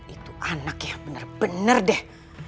itu anak ya bener bener deh